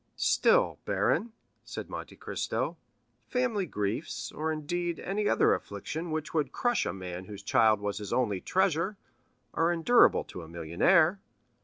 "Still, baron," said Monte Cristo, "family griefs, or indeed any other affliction which would crush a man whose child was his only treasure, are endurable to a millionaire.